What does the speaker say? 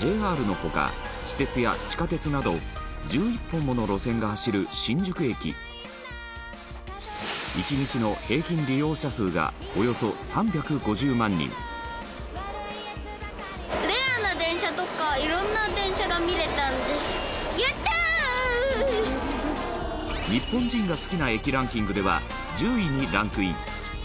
ＪＲの他、私鉄や地下鉄など１１本もの路線が走る、新宿駅１日の平均利用者数がおよそ３５０万人日本人が好きな駅ランキングでは１０位にランクイン